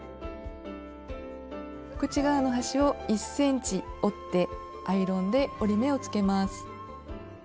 口側の端を１ｃｍ折ってアイロンで折り目をつけます。